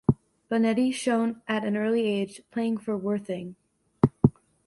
Bonetti shone at an early age, playing for Worthing.